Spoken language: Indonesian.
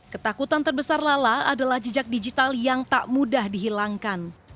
ketakutan terbesar lala adalah jejak digital yang tak mudah dihilangkan